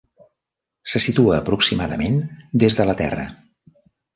Se situa aproximadament des de la Terra.